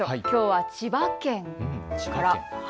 きょうは千葉県から。